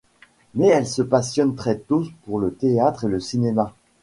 Mais elle se passionne très tôt pour le théâtre et le cinéma.